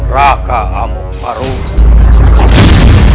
raka amuk marugul